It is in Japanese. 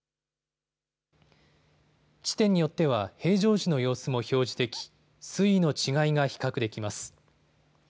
地点によっては平常時の様子も表示でき、水位の違いが比較できます。